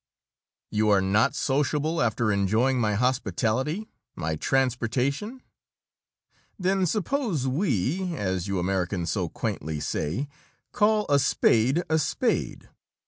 You are not sociable, after enjoying my hospitality, my transportation? Then suppose we as you Americans so quaintly say call a spade a spade!